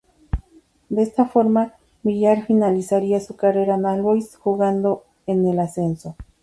De esta forma, Villar finalizaría su carrera en All Boys, jugando en el Ascenso.